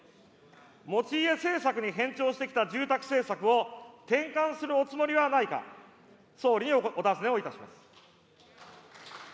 持ち家政策に偏重してきた住宅政策を転換するおつもりはないか、総理にお尋ねをいたします。